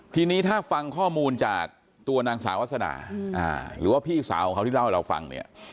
ทีนี้ถ้าฟังข้อมูลจากตัวนางสาววาสนาหรือว่าพี่สาวของเขาที่เล่าให้เราฟังเนี่ย